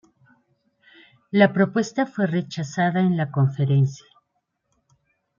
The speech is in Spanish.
La propuesta fue rechazada en la conferencia.